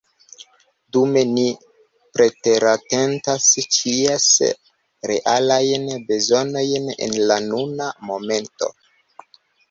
Dume ni preteratentas ĉies realajn bezonojn en la nuna momento.